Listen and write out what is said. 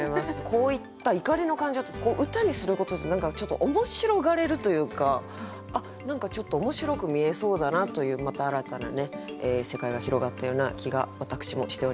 こういった怒りの感情ってこう歌にすることで何かちょっと面白がれるというか何かちょっと面白く見えそうだなというまた新たな世界が広がったような気が私もしております。